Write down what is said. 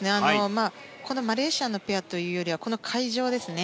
マレーシアのペアというよりは、会場ですね。